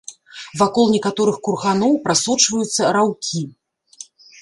Вакол некаторых курганоў прасочваюцца раўкі.